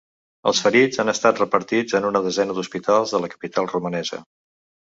Els ferits han estat repartits en una desena d’hospitals de la capital romanesa.